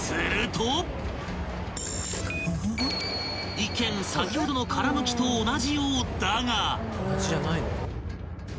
［一見先ほどの殻むきと同じようだが］